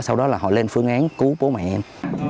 sau đó là họ lên phương án cứu bố mẹ em